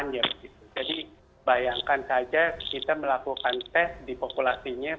jadi bayangkan saja kita melakukan test di populasinya